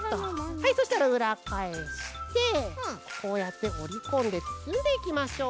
はいそしたらうらがえしてこうやっておりこんでつつんでいきましょう。